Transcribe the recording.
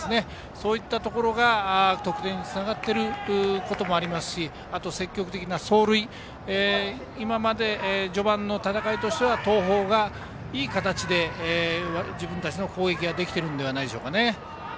そういったところが得点につながっているところもありますし積極的な走塁今まで序盤の戦いとしては東邦がいい形で自分たちの攻撃ができているのではないでしょうか。